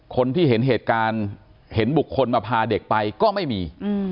คนที่เห็นเหตุการณ์เห็นบุคคลมาพาเด็กไปก็ไม่มี